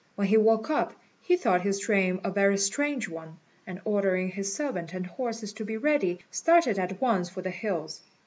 When he woke up, he thought his dream a very strange one; and ordering his servant and horses to be ready, started at once for the hills.